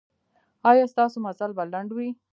ایا ستاسو مزل به لنډ وي؟